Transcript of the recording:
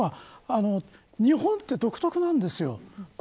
日本って独特なんですよ。